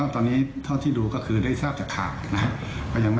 ตอนนี้เท่าที่ดูก็คือได้ทราบจากข่าวนะครับ